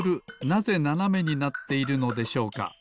なぜななめになっているのでしょうか？